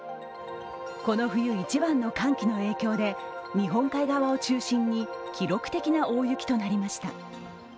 この冬一番の寒気の影響で日本海側を中心に記録的な大雪となりました。